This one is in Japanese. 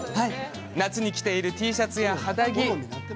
夏に着ているＴシャツや肌着。